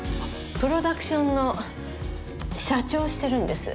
プロダクションの社長をしてるんです。